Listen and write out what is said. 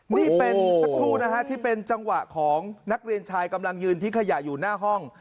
นี่เป็นสักครู่นะฮะที่เป็นจังหวะของนักเรียนชายกำลังยืนทิ้งขยะอยู่หน้าห้อง